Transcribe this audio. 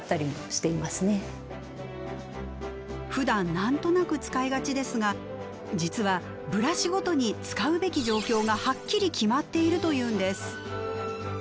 ふだん何となく使いがちですが実はブラシごとに使うべき状況がはっきり決まっているというんです。